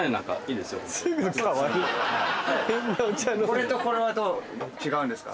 これとこれはどう違うんですか？